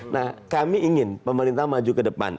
nah kami ingin pemerintah maju ke depan